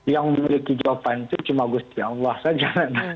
yang memiliki jawaban itu cuma gue setia allah saja